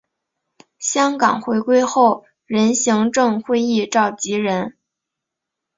香港回归后任行政会议召集人。